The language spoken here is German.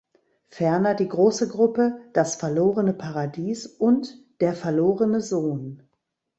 Ferner die große Gruppe "Das verlorene Paradies" und "Der verlorene Sohn".